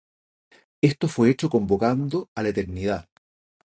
Esto fue hecho convocando a la Eternidad.